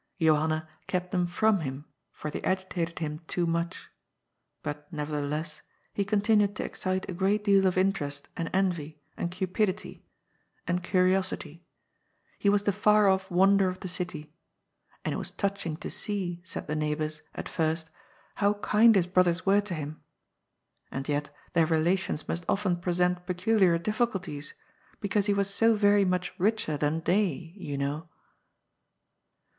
Johanna kept them from him, for they agitated him too much. But nevertheless, he continued to excite a great deal of interest and envy and cupidity and 10 14S GOD'S POOL. curiosity. He was the far off wonder of the city. And it was touching to see, said the neighbours, at first, how kind his brothers were to him. And yet their relations must often present peculiar difficulties, because he was so very much richer than they, you know.